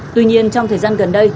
tuy nhiên trong thời gian gần đây